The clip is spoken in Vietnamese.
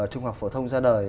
trung học phổ thông ra đời